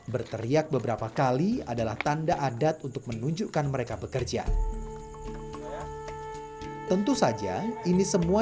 berteriak beberapa kali adalah tanda adat untuk menunjukkan mereka bekerja tentu saja ini semua